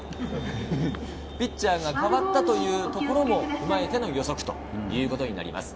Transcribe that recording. ピッチャーが代わったというところを踏まえての予測となります。